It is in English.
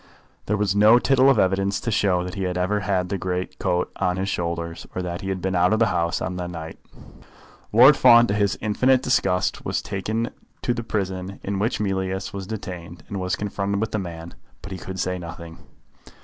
There was no tittle of evidence to show that he had ever had the great coat on his shoulders, or that he had been out of the house on that night. Lord Fawn, to his infinite disgust, was taken to the prison in which Mealyus was detained, and was confronted with the man, but he could say nothing.